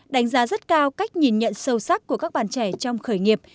đánh giá rất cao cách nhìn nhận sâu sắc của các bạn trẻ trong khởi nghiệp